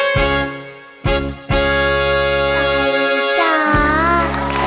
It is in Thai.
ท่านลูกชาย